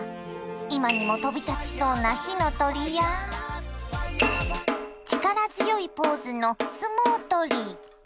今にも飛び立ちそうな火の鳥や力強いポーズの相撲取り。